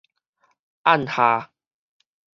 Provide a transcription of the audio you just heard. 案下